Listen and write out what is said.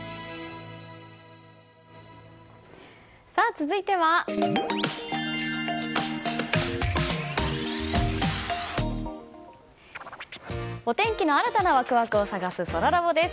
続いては、お天気の新たなワクワクを探すそらラボです。